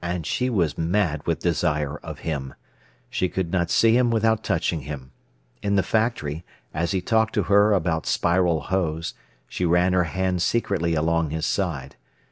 And she was mad with desire of him. She could not see him without touching him. In the factory, as he talked to her about Spiral hose, she ran her hand secretly along his side.